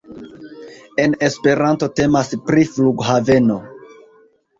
En Esperanto temas pri Flughaveno.